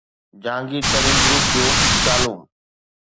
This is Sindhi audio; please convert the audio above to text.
جهانگير ترين گروپ جون چالون